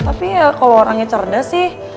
tapi ya kalau orangnya cerdas sih